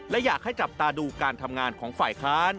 และอยากให้จับตาดูการทำงานของฝ่ายค้าน